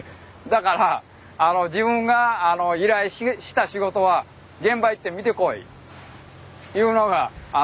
だから自分が依頼した仕事は現場行って見てこいいうのが教えですね。